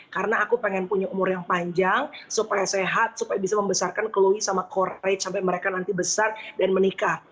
karena aku pengen punya umur yang panjang supaya sehat supaya bisa membesarkan chloe sama corey sampai mereka nanti besar dan menikah